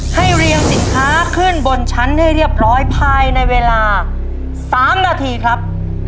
เรียงสินค้าขึ้นบนชั้นให้เรียบร้อยภายในเวลา๓นาทีครับ